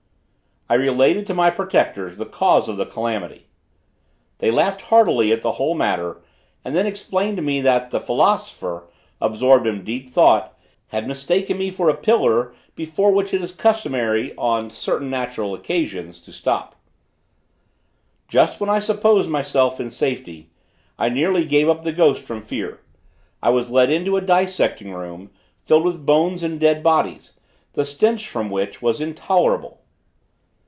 I related to my protectors the cause of the calamity. They laughed heartily at the whole matter, and then explained to me that the philosopher, absorbed in deep thought, had mistaken me for a pillar before which it is customary, on certain natural occasions, to stop. Just when I supposed myself in safety. I nearly gave up the ghost from fear. I was led into a dissecting room, filled with bones and dead bodies, the stench from which was intolerable.